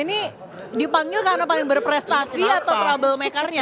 ini dipanggil karena paling berprestasi atau trouble makernya